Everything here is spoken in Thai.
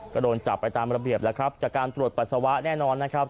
ก็โดนจับไปตามระเบียบแล้วครับจากการตรวจปัสสาวะแน่นอนนะครับ